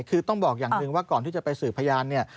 คือต้องบอกอย่างหนึ่งว่าก่อนที่จะไปสืบพยานเนี่ย